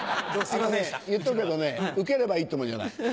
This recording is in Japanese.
あのね言っとくけどねウケればいいってもんじゃない。